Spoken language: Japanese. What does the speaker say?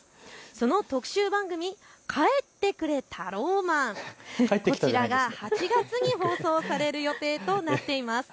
その特集番組、帰ってくれタローマン、こちらが８月に放送される予定となっています。